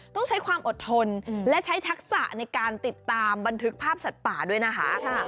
ต้องใช้ความอดทนและใช้ทักษะในการติดตามบันทึกภาพสัตว์ป่าด้วยนะคะ